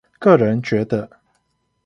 個人覺得